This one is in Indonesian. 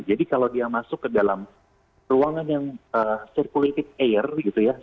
jadi kalau dia masuk ke dalam ruangan yang circulated air gitu ya